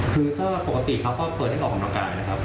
คือก็ปกติเขาก็เปิดให้ออกกำลังกายนะครับ